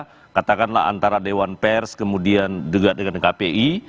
karena katakanlah antara dewan pers kemudian juga dengan kpi